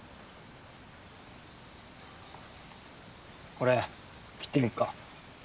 これ切ってみっか？